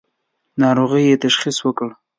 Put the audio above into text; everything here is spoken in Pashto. ناروغۍ یې تشخیص کړه.